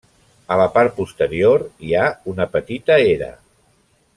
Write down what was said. A la part posterior hi ha una petita era.